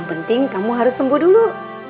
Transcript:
mending kamu harus sembuh dulu